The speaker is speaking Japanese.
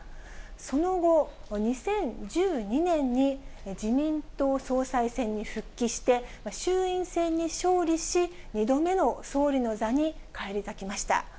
その後、２０１２年に、自民党総裁選に復帰して、衆院選に勝利し、２度目の総理の座に返り咲きました。